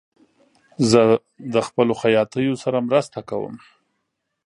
زه د خپلو خیاطیو سره مرسته کوم.